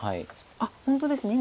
あっ本当ですね。